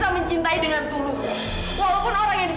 pergi atau aku akan loncat